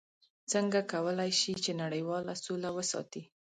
څنګه کولی شي چې نړیواله سوله وساتي؟